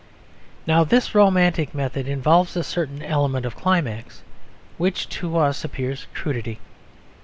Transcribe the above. Now this romantic method involves a certain element of climax which to us appears crudity.